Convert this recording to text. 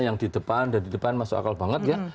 yang di depan dan di depan masuk akal banget ya